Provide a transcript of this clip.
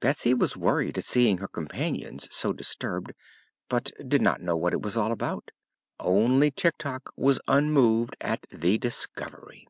Betsy was worried at seeing her companions so disturbed, but did not know what it was all about. Only Tik Tok was unmoved at the discovery.